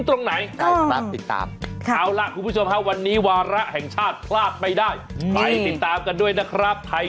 ตอนหน้ามาติดตามกันต่อครับ